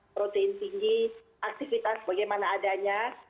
protein tinggi aktivitas bagaimana adanya